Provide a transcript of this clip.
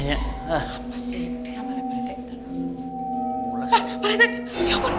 iya tuh betul